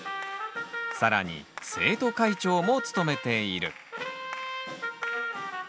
更に生徒会長も務めている。